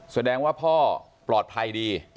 แสดงว่าพ่อปลอดภัยดี